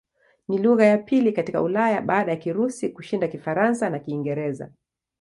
Ni lugha ya pili katika Ulaya baada ya Kirusi kushinda Kifaransa na Kiingereza.